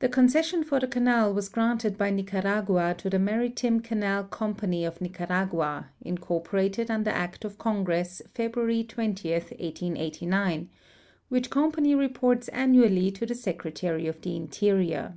The concession for the canal was granted by Nicaragua to tbe IMaritime Canal Company of Nicaragua, incori)orated under act of Congress February 20, 1889, which comjiany reports annu ally to the Secretary of the Interior.